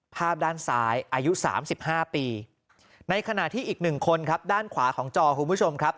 ภาพด้านซ้ายอายุ๓๕ปีในขณะที่อีกหนึ่งคนครับด้านขวาของจอคุณผู้ชมครับ